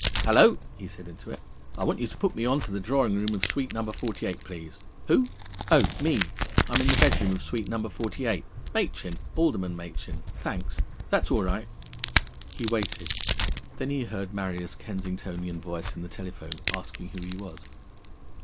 "Hello!" he said into it. "I want you to put me on to the drawing room of Suite No. 48, please. Who? Oh, me! I'm in the bedroom of Suite No. 48. Machin, Alderman Machin. Thanks. That's all right." He waited. Then he heard Marrier's Kensingtonian voice in the telephone, asking who he was.